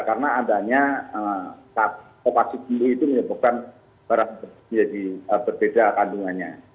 karena adanya opasitas itu menyebutkan barang berbeda kandungannya